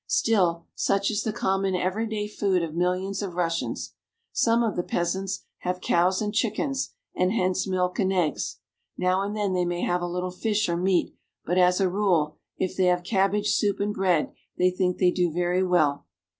Still, such is the common every day food of millions of Russians. Some of the peasants have cows and chickens, and hence milk and eggs. Now and then they may have a little fish or meat, but as a rule, if they have cabbage soup and bread, they think they do very well.